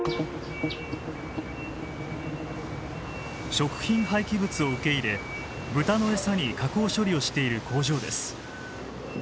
食品廃棄物を受け入れ豚のエサに加工処理をしている工場です。